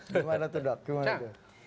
gimana tuh dok gimana tuh